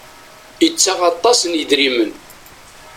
Ittaɣ aṭas n yidrimen.